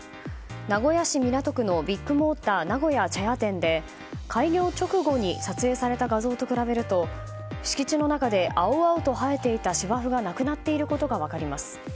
名古屋市港区のビッグモーター名古屋茶屋店で開業直後に撮影された画像と比べると敷地の中で青々と生えていた芝生がなくなっていることが分かります。